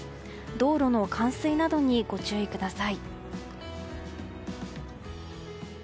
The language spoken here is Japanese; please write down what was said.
道路の冠水などにご注意ください。